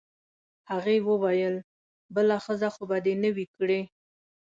هغې وویل: بله ښځه خو به دي نه وي کړې؟